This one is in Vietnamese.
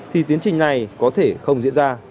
thì tiến trình này có thể không diễn ra